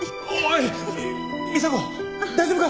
大丈夫か？